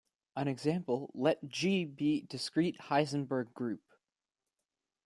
As an example, let "G" be the discrete Heisenberg group.